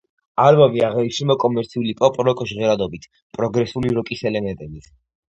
ალბომი აღინიშნება კომერციული პოპ-როკ ჟღერადობით, პროგრესული როკის ელემენტებით.